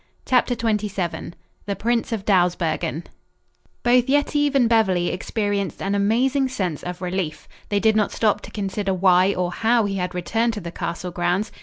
CHAPTER XXVII THE PRINCE OF DAWSBERGEN Both Yetive and Beverly experienced an amazing sense of relief. They did not stop to consider why or how he had returned to the castle grounds.